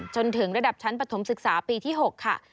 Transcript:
จนถึงระดับชั้นปฐมศึกษาปีที่๖ค่ะ